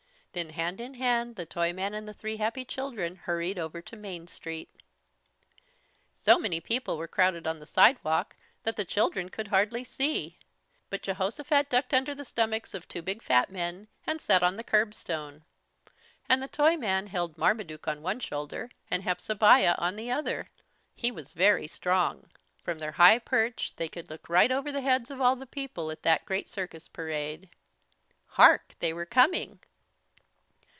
Then hand in hand the Toyman and the three happy children hurried over to Main Street. So many people were crowded on the sidewalk that the children could hardly see. But Jehosophat ducked under the stomachs of two big fat men and sat on the curb stone. And the Toyman held Marmaduke on one shoulder and Hepzebiah on the other. He was very strong. From their high perch they could look right over the heads of all the people at that great circus parade. Hark! They were coming!